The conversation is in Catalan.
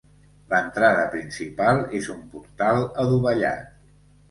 L'entrada principal és un portal adovellat.